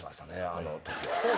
あの時は。